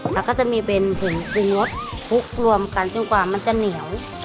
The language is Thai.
แล้วก็จะมีเป็นผงปรุงรสพลุกรวมกันจนกว่ามันจะเหนียว